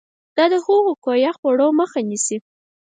دا د هغو د کویه خوړو مخه نیسي.